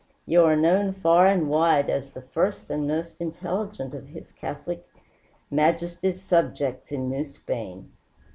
You are known far and wide as the first and most intelligent of His Catholic Majesty's subjects in New Spain.